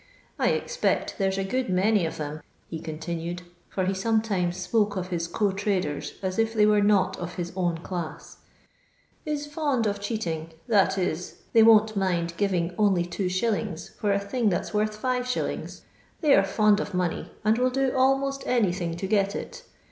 I expect there's a good many of 'em," he continued, for ho sometimes spoke of his co traders, as if they were not of his own class, "is fond of cheating — that is, they won't mind giving only 2«. for a thing that's worth bt. They are fond of money, and will do almost anything to get it.